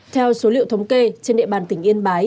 theo số liệu thống kê trên địa bàn tỉnh yên bái